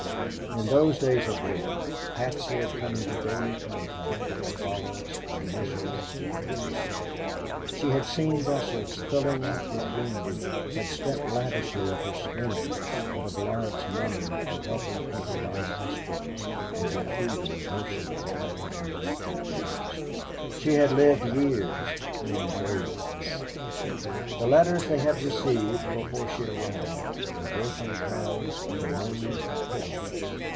In those days of waiting, Patsy had come into daily contact with the horrors and miseries of war. She had seen Brussels filling up with wounded, had spent lavishly of her strength and of Laurence money in helping improvise hospitals and in feeding, nursing and comforting refugees. She had lived years in days. The letters they had received before she arrived were broken cries of amazed pity.